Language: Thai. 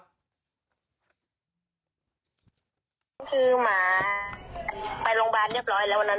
คือหมาไปโรงพยาบาลเรียบร้อยแล้ววันนั้น